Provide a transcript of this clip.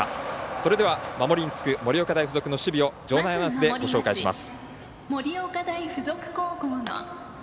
それでは、守りにつく盛岡大付属の守備を場内アナウンスでご紹介します。